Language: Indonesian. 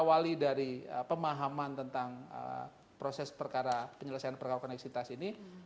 diawali dari pemahaman tentang proses perkenal koneksitas ini